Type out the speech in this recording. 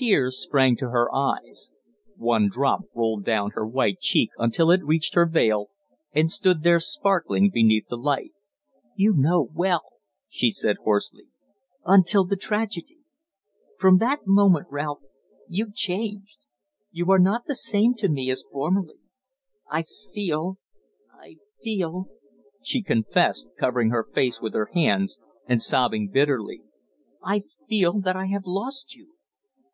Tears sprang to her eyes. One drop rolled down her white cheek until it reached her veil, and stood there sparkling beneath the light. "You know well," she said hoarsely. "Until the tragedy. From that moment, Ralph, you changed. You are not the same to me as formerly. I feel I feel," she confessed, covering her face with her hands and sobbing bitterly, "I feel that I have lost you."